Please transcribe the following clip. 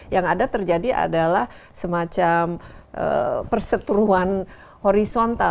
yang ada terjadi adalah semacam perseteruan horizontal